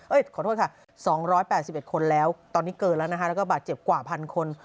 ขอโทษค่ะ๒๘๑คนแล้วตอนนี้เกินแล้วนะคะแล้วก็บาดเจ็บกว่า๑๐๐คน